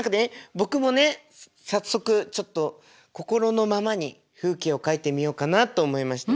僕もね早速ちょっと心のままに風景を描いてみようかなと思いまして。